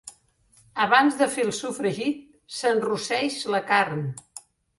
Abans de fer el sofregit, s'enrosseix la carn.